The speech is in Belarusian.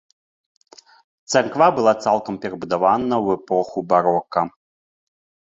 Царква была цалкам перабудавана ў эпоху барока.